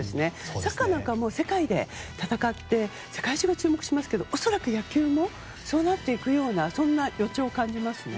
サッカーなんか世界で戦って世界中で注目されていますけど恐らく野球もそうなっていくようなそんな予兆を感じますね。